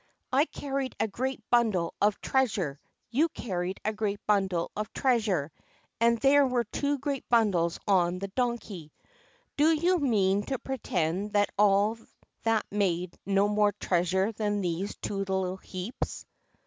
I carried a great bundle of treasure, you carried a great bundle of treasure, and there were two great bundles on the Donkey. Do you mean to pretend that all that made no more treasure than these two little heaps!